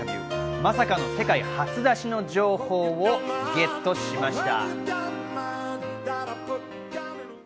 まさかの世界初出しの情報をゲットしました。